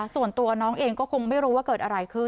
ส่วนตัวน้องเองก็คงไม่รู้ว่าเกิดอะไรขึ้น